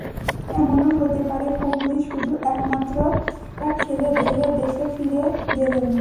এমনও হতে পারে, কোহলি শুধু একমাত্র টেস্টটা খেলে দেশে ফিরে গেলেন।